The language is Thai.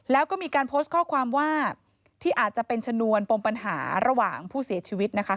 แล้วก็มีการโพสต์ข้อความว่าที่อาจจะเป็นชนวนปมปัญหาระหว่างผู้เสียชีวิตนะคะ